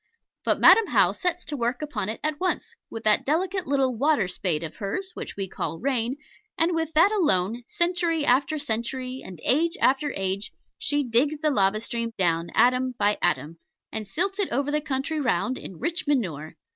But Madam How sets to work upon it at once, with that delicate little water spade of hers, which we call rain, and with that alone, century after century, and age after age, she digs the lava stream down, atom by atom, and silts it over the country round in rich manure.